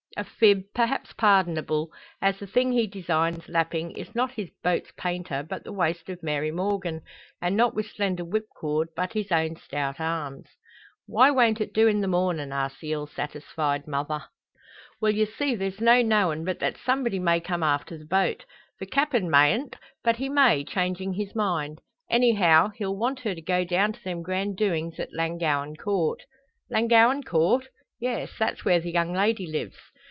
A fib, perhaps pardonable, as the thing he designs lapping is not his boat's painter, but the waist of Mary Morgan, and not with slender whipcord, but his own stout arms. "Why won't it do in the mornin'?" asks the ill satisfied mother. "Well, ye see, there's no knowin' but that somebody may come after the boat. The Captain mayent, but he may, changin' his mind. Anyhow, he'll want her to go down to them grand doin's at Llangowen Court?" "Llangowen Court?" "Yes; that's where the young lady lives."